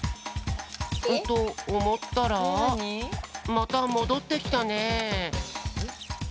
とおもったらまたもどってきたね。